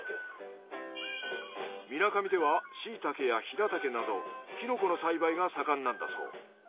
みなかみではシイタケやヒラタケなどキノコの栽培が盛んなんだそう。